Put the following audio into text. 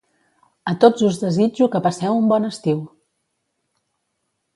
A tots us desitjo que passeu un bon estiu!